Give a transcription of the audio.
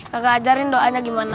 kakak ajarin doanya gimana